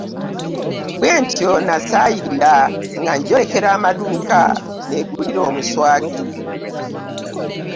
Bwentyo nnasaayirira nga njolekera amaduuka nneegulire omuswaki.